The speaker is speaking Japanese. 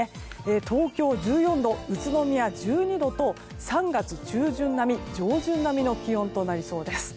東京、１４度宇都宮、１２度と３月中旬並み上旬並みの気温となりそうです。